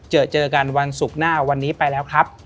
เจอเจอกันวันศุกร์หน้าวันนี้ไปแล้วครับ